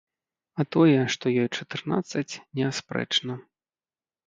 А тое, што ёй чатырнаццаць, неаспрэчна.